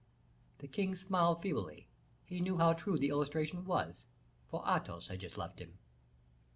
The king smiled feebly; he knew how true the illustration was, for Athos had just left him.